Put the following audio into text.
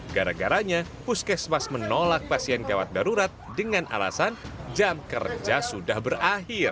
gara garanya puskesmas menolak pasien gawat darurat dengan alasan jam kerja sudah berakhir